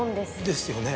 ですよね。